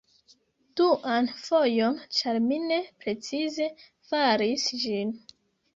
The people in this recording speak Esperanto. Duan fojon ĉar mi ne precize faris ĝin